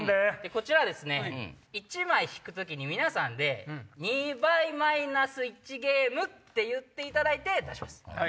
こちら１枚引く時に皆さんで「２倍マイナス１ゲーム」って言っていただいて出します。